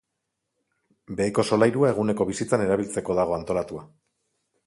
Beheko solairua eguneko bizitzan erabiltzeko dago antolatua.